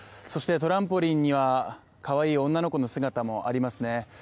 そして、トランポリンにはかわいい女の子の姿もありますね。